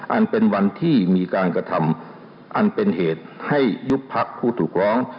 อันเป็นวันที่มีการกระทำอันเป็นเหตุให้ยุบพักผู้ถูกร้อง